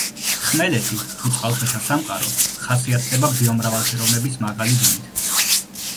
ხმელეთი თუ წყალქვეშა სამყარო ხასიათდება ბიომრავალფეროვნების მაღალი დონით.